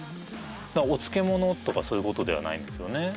お漬物とかそういうことではないんですよね？